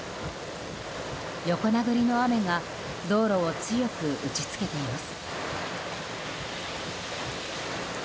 横殴りの雨が道路を強く打ちつけています。